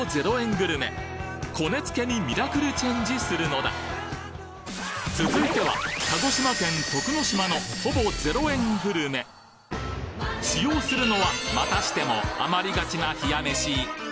グルメこねつけにミラクルチェンジするのだ続いては鹿児島県徳之島のほぼ０円グルメ使用するのはまたしても余りがちな冷や飯